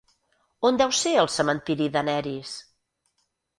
On deu ser el cementiri d'Aneris?